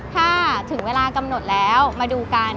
ถ้าถึงเวลากำหนดแล้วมาดูกัน